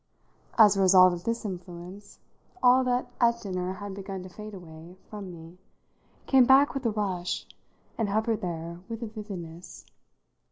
As a result of this influence all that at dinner had begun to fade away from me came back with a rush and hovered there with a vividness.